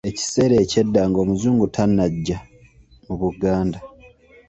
Ekiseera eky’edda ng’Omuzungu tannajja, mu Buganda.